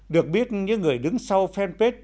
được biết những người đứng sau fanpage